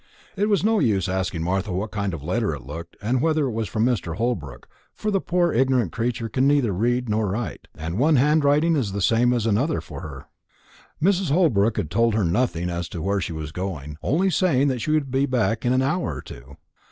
It was no use asking Martha what kind of letter it looked, and whether it was from Mr. Holbrook, for the poor ignorant creature can neither read nor write, and one handwriting is the same as another to her. Mrs. Holbrook had told her nothing as to where she was going, only saying that she would be back in an hour or two.